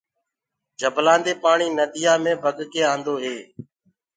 جبلآنٚ دي پآڻي ننديآنٚ مي ڪر ڪي آندو هي۔